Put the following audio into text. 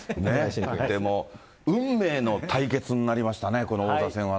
でも運命の対決になりましたね、この王座戦はね。